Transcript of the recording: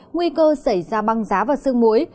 nguy cơ xảy ra băng giá và sương muối